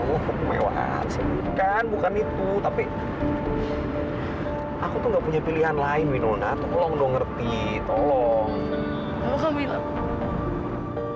oh kemewahan sih kan bukan itu tapi aku tuh gak punya pilihan lain widona tolong dong ngerti tolong